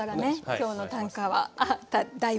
今日の短歌の題は。